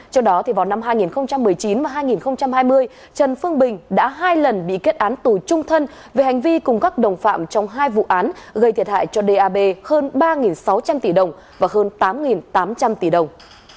trong đó vào năm hai nghìn một mươi chín và hai nghìn hai mươi trần phương bình đã hai lần bị kết án tù trung thân về hành vi cùng các đồng phạm trong hai vụ án gây thiệt hại cho dap hơn ba sáu trăm linh tỷ đồng và hơn tám tám trăm linh tỷ đồng